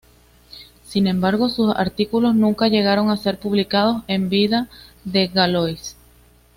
Sin embargo, sus artículos nunca llegaron a ser publicados en vida de Galois.